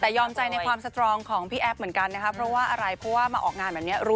แต่ยอมใจในความสตรองของพี่แอฟเหมือนกันนะคะเพราะว่าอะไร